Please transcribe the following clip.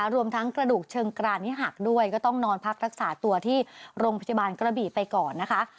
รวมทั้งกระดูกเชิงกรานนี้หักด้วยก็ต้องนอนพักรักษาตัวที่โรงพยาบาลกระบี่ไปก่อนนะคะ